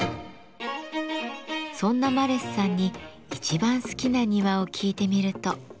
そんなマレスさんに一番好きな庭を聞いてみると。